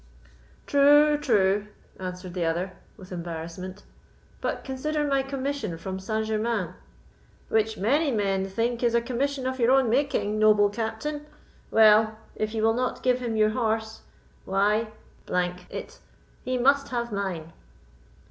"True, true," answered the other, with embarrassment; "but consider my commission from Saint Germains." "Which many men think is a commission of your own making, noble Captain. Well, if you will not give him your horse, why, d——n it, he must have mine."